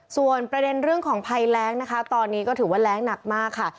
ส่วนประเด็นเรื่องของภัยแรงนะคะตอนนี้ก็ถือว่าแรงหนักมากค่ะ